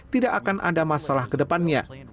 tidak akan ada masalah ke depannya